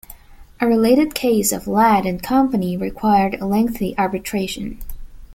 A related case of Ladd and Company required lengthy arbitration.